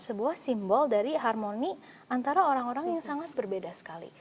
sebuah simbol dari harmoni antara orang orang yang sangat berbeda sekali